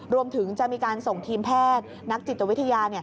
รวมถึงจะมีการส่งทีมแพทย์นักจิตวิทยา